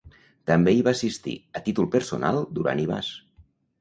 També hi va assistir, a títol personal Duran i Bas.